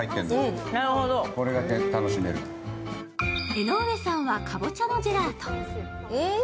江上さんはかぼちゃのジェラート。